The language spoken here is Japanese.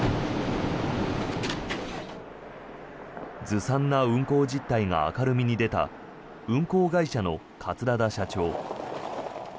ずさんな運航実態が明るみに出た運航会社の桂田社長。